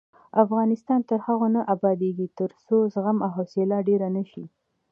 افغانستان تر هغو نه ابادیږي، ترڅو زغم او حوصله ډیره نشي.